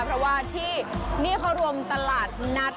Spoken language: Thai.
เพราะว่าที่นี่เขารวมตลาดนัด